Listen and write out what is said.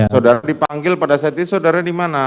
saudara dipanggil pada saat itu saudara dimana